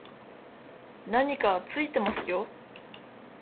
何かついてますよ